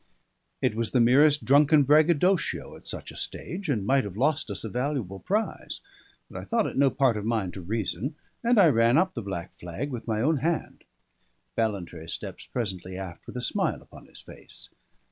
It was the merest drunken braggadocio at such a stage, and might have lost us a valuable prize; but I thought it no part of mine to reason, and I ran up the black flag with my own hand. Ballantrae steps presently aft with a smile upon his face.